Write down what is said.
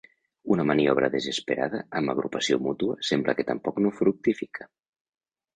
Una maniobra desesperada amb Agrupació Mútua sembla que tampoc no fructifica.